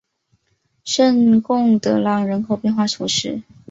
圣贡德朗人口变化图示